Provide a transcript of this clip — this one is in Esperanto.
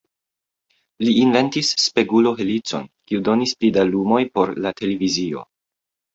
Li inventis spegulo-helicon, kiu donis pli da lumoj por la televizio.